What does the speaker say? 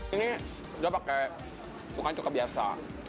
ini saya pakai cuka cuka biasa